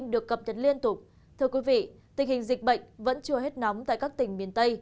sau đây xin mời quý vị đến với phần thông tin trí tiết